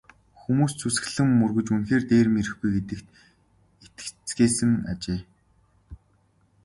Хүмүүс ч сүсэглэн мөргөж үнэхээр дээрэм ирэхгүй гэдэгт итгэцгээсэн ажээ.